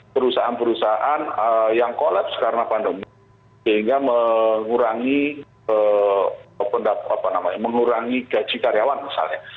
perusahaan perusahaan yang kolaps karena pandemi sehingga mengurangi gaji karyawan misalnya